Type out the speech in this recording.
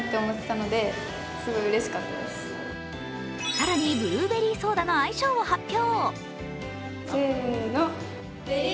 更にブルーベリーソーダの愛称を発表。